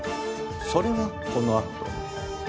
それはこのあと。